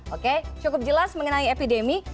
oke cukup jelas mengenai epidemi